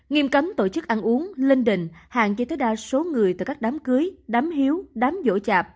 nghiêm cấm tổ chức ăn uống linh đình hạn chế tới đa số người từ các đám cưới đám hiếu đám vỗ chạp